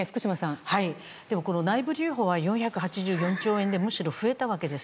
内部留保は４８４兆円でむしろ増えたわけです。